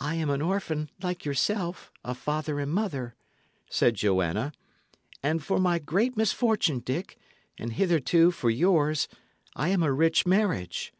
"I am an orphan, like yourself, of father and mother," said Joanna; "and for my great misfortune, Dick, and hitherto for yours, I am a rich marriage.